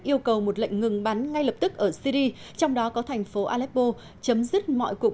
yêu cầu một lệnh ngừng bắn ngay lập tức ở syri trong đó có thành phố aleppo chấm dứt mọi cuộc